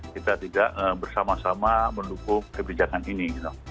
kita tidak bersama sama mendukung kebijakan ini